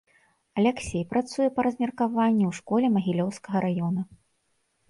Аляксей працуе па размеркаванні ў школе магілёўскага раёна.